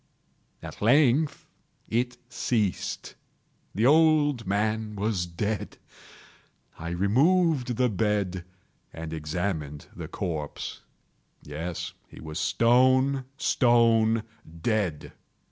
At length it ceased. The old man was dead. I removed the bed and examined the corpse. Yes, he was stone, stone dead.